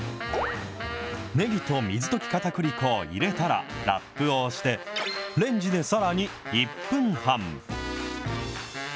ネギと水溶きかたくり粉を入れたら、ラップをして、レンジでさらに１分半。